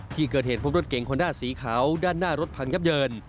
ที่เกิดเหตุพบรถเก่งคอนด้าสีขาวด้านหน้ารถพังยับเยิน